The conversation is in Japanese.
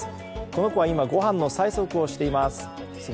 この子は今ごはんの催促をしています。